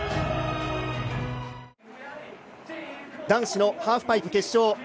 男子のハーフパイプ決勝。